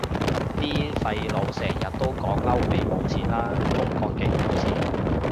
啲廢老成日都講歐美冇錢喇，中國勁有錢